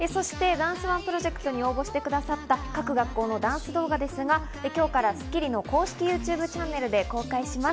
ダンスＯＮＥプロジェクトに応募してくださった各学校のダンス動画は今日から『スッキリ』の公式ＹｏｕＴｕｂｅチャンネルで公開します。